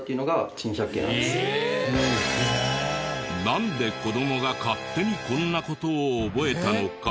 なんで子供が勝手にこんな事を覚えたのか。